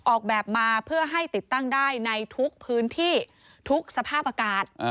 ออกแบบมาเพื่อให้ติดตั้งได้ในทุกพื้นที่ทุกสภาพอากาศ